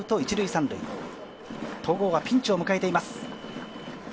戸郷がピンチを迎えています。